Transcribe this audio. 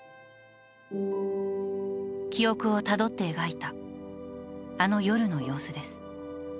記憶をたどって描いた、あの夜の様子です。